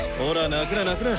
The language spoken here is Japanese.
泣くな泣くな。